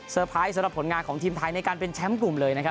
ไพรส์สำหรับผลงานของทีมไทยในการเป็นแชมป์กลุ่มเลยนะครับ